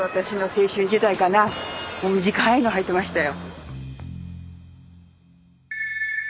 もう短いのはいてましたよ。